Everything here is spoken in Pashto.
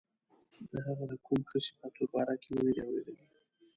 د هغه د کوم ښه صفت په باره کې مې نه دي اوریدلي.